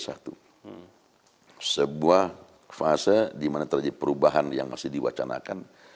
sebuah fase dimana projet perubahan yang masih diwacanakan